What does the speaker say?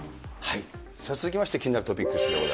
続きまして、気になるトピックスです。